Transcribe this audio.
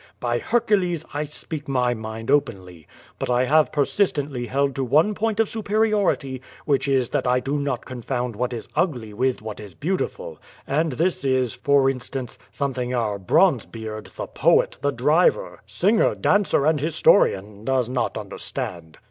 By Hercules! I speak my mind openly. But I have persist ently held to one point of superiority, which is that I do not 8 0170 VADI8. confound what is ugly with what is beautiful. And this is, for instance, something our Bronzebeard, the poet, the driver, singer, dancer and historian does not understand.